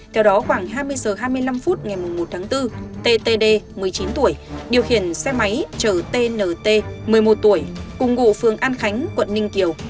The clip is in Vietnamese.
theo đó khoảng hai mươi h hai mươi năm phút ngày một tháng bốn ttd một mươi chín tuổi điều khiển xe máy chở tnt một mươi một tuổi cùng ngụ phường an khánh quận ninh kiều